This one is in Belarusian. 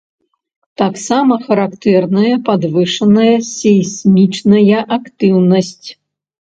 Таксама характэрная падвышаная сейсмічная актыўнасць.